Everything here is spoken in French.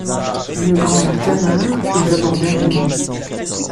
D'une grande clameur, ils abordèrent l'ennemi.